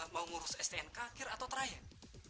mau ngurus stnk akhir atau terakhir